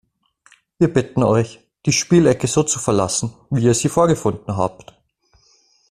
Wir bitten euch, die Spielecke so zu verlassen, wie ihr sie vorgefunden habt!